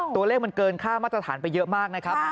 ตัวเลขมันเกินค่ามาตรฐานไปเยอะมากนะครับ